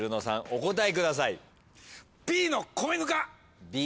お答えください。